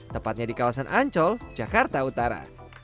tepatnya di kawasan ancol jakarta utara